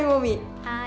はい。